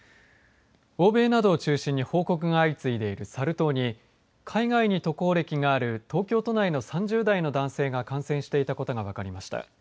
欧米などを中心に報告が相次いでいるサル痘に海外に渡航歴がある東京都内の３０代の男性が感染していたことが分かりました。